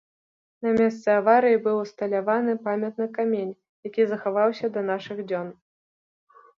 На месцы аварыі быў усталяваны памятны камень, які захаваўся да нашых дзён.